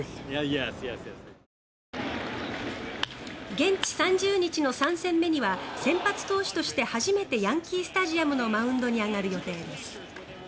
現地３０日の３戦目には先発投手として初めてヤンキー・スタジアムのマウンドに上がる予定です。